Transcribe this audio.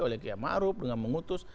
oleh kia marup dengan mengutus